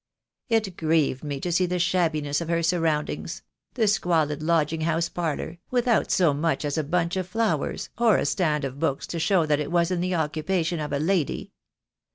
It grieved me to see the shabbiness of her surroundings — the squalid lodging house parlour, without so much as a bunch of flowers or a stand of books to show that it THE DAY WILT. COME. 259 was in the occupation of a lady.